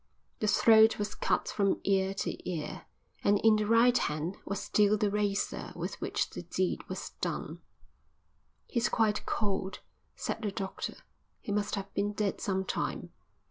The throat was cut from ear to ear, and in the right hand was still the razor with which the deed was done. "He's quite cold," said the doctor. "He must have been dead some time."